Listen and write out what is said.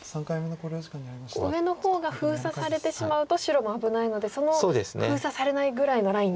上の方が封鎖されてしまうと白も危ないので封鎖されないぐらいのラインで。